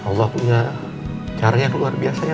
allah punya caranya luar biasa ya pak